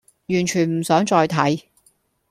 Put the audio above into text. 完全唔想再睇